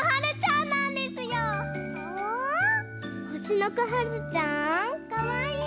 ほしのこはるちゃんかわいい！